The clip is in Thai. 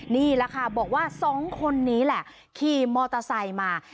นี่แหละค่ะบอกว่าสองคนนี้แหละขี่มอเตอร์ไซค์มา